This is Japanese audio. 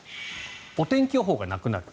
お天気予報がなくなる。